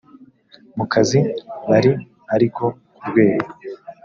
mu kazi bari ariko ku rwego